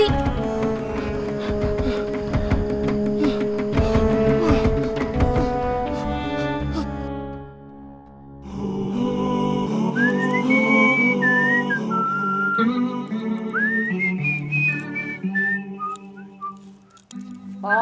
tidak ada apa apa